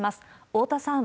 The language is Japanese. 大田さん。